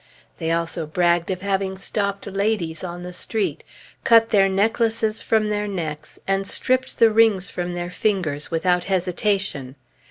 They also bragged of having stopped ladies on the street, cut their necklaces from their necks, and stripped the rings from their fingers, without hesitation.